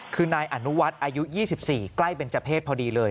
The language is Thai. คือนายอนุวัฒน์อายุ๒๔ใกล้เป็นเจ้าเพศพอดีเลย